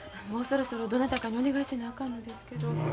もうそろそろどなたかにお願いせなあかんのですけど。